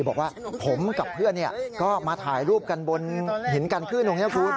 บอกว่าผมกับเพื่อนนี่ก็มาถ่ายรูปกันบนหินกันขึ้น